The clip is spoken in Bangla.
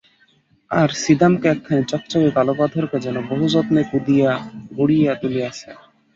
আর ছিদামকে একখানি চকচকে কালো পাথরে কে যেন বহুযত্নে কুঁদিয়া গড়িয়া তুলিয়াছে।